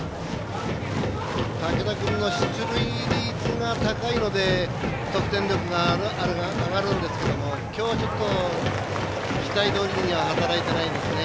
武田君の出塁率が高いので得点力が上がるんですけどもきょう期待どおりには働いていないですね。